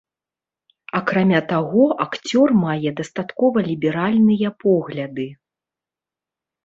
Акрамя таго, акцёр мае дастаткова ліберальныя погляды.